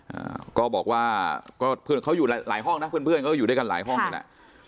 อ่าก็บอกว่าก็เพื่อนเขาอยู่หลายหลายห้องนะเพื่อนเพื่อนก็อยู่ด้วยกันหลายห้องนี่แหละ